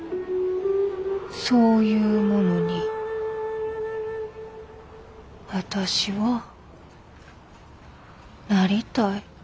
そういうものに私はなりたい。